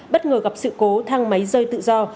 bất ngờ gặp sự cố thang máy rơi tự do